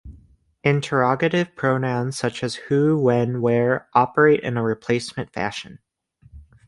Interrogative pronouns such as who, when, where, operate in a replacement fashion.